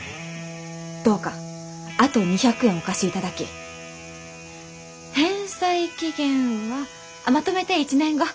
どうかあと２００円お貸しいただき返済期限はまとめて１年後。